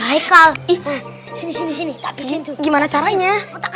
heikal ini tapi gimana caranya